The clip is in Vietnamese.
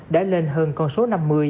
đã lên hơn con số năm mươi